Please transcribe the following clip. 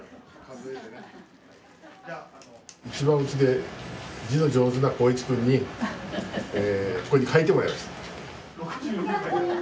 一番うちで字の上手な航一くんにここに書いてもらいました。